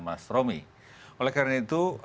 mas romi oleh karena itu